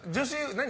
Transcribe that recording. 何？